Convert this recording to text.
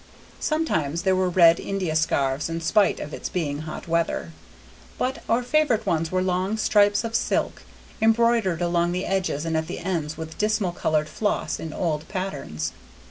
Sometimes there were red India scarfs in spite of its being hot weather; but our favorite ones were long strips of silk, embroidered along the edges and at the ends with dismal colored floss in odd patterns.